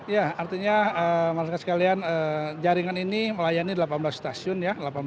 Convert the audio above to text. ya artinya masyarakat sekalian jaringan ini melayani delapan belas stasiun ya